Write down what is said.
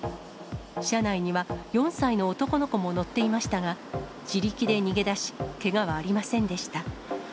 車内には、４歳の男の子も乗っていましたが、自力で逃げ出し、けがはありませんでした。